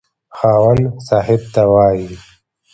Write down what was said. خاوند صاحب ته وايي.